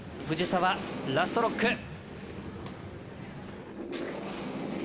藤澤、ラストロック。